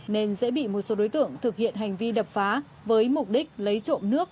nên dễ bị một số đối tượng thực hiện hành vi đập phá với mục đích lấy trộm nước